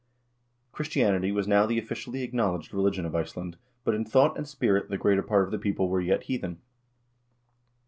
Christianity was now the officially acknowledged religion of Iceland, but in thought and spirit the greater part of the people were yet heathen.